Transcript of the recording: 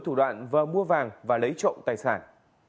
thủ đoạn vừa mua vàng và lấy trộm tài sản